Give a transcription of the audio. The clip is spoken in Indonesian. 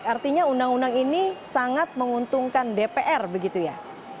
jadi undang undang ini sangat menguntungkan dpr begitu ya